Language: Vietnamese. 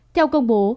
theo công bố